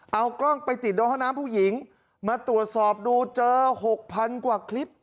เอากล้องไปติดในห้องน้ำผู้หญิงมาตรวจสอบดูเจอหกพันกว่าคลิป